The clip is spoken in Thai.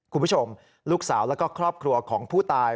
คุณผู้ชมลูกสาวแล้วก็ครอบครัวของผู้ตาย